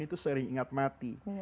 itu sering ingat mati